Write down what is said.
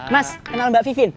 mas kenal mbak vivian